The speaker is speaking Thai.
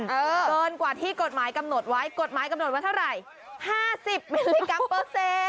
เกินกว่าที่กฎหมายกำหนดไว้กฎหมายกำหนดไว้เท่าไหร่๕๐มิลลิกรัมเปอร์เซ็นต์